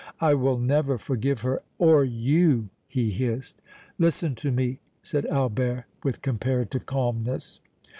"I will never forgive her or you!" he hissed. "Listen to me," said Albert, with comparative calmness.